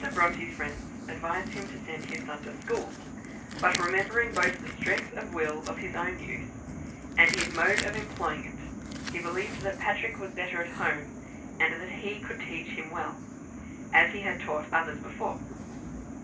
Bronte's friends advised him to send his son to school; but, remembering both the strength of will of his own youth and his mode of employing it, he believed that Patrick was better at home, and that he himself could teach him well, as he had taught others before.